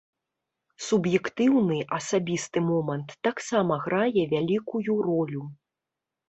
Суб'ектыўны асабісты момант таксама грае вялікую ролю.